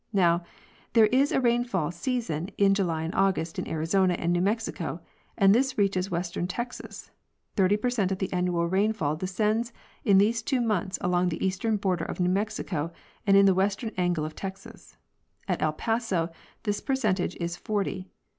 Now, there is a rainfall season in July and August in Arizona and New Mexico, and this reaches western Texas. Thirty percent of the annual rainfall descends in these two months along the eastern border of New Mexico and in the western angle of Texas. At El Paso this percentage is forty.